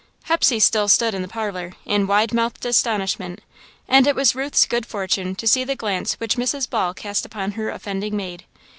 Hepsey still stood in the parlour, in wide mouthed astonishment, and it was Ruth's good fortune to see the glance which Mrs. Ball cast upon her offending maid.